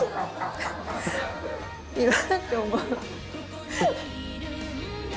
いいなって思う。